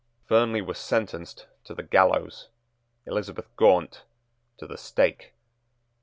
Fernley was sentenced to the gallows, Elizabeth Gaunt to the stake.